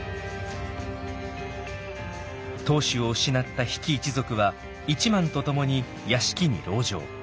当主を失った比企一族は一幡と共に屋敷に籠城。